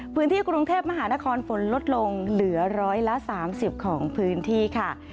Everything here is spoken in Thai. พื้นที่กรุงเทพมหานครฝนลดลงเหลือร้อยละ๓๐ของพื้นที่ค่ะ